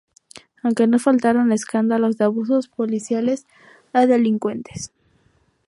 Aunque no faltaron escándalos de abusos policiales a delincuentes.